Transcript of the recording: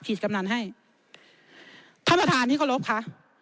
กำนันให้ท่านประธานที่เคารพค่ะ